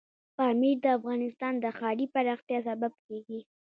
پامیر د افغانستان د ښاري پراختیا سبب کېږي.